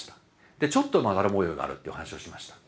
でちょっとまだら模様があるっていう話をしました。